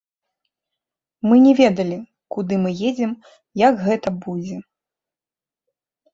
Мы не ведалі, куды мы едзем, як гэта будзе.